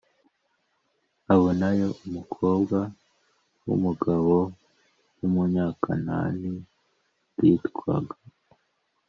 abonayo umukobwa w umugabo w umunyakananib witwaga